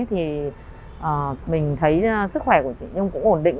thì mình thấy sức khỏe của chị nhưng cũng ổn định